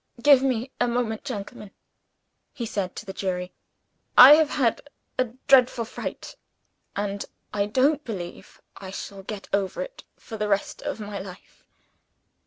"Give me a moment, gentlemen," he said to the jury. "I have had a dreadful fright; and I don't believe I shall get over it for the rest of my life."